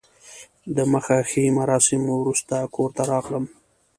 د مخه ښې مراسمو وروسته کور ته راغلم.